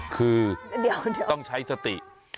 คือต้องใช้สติ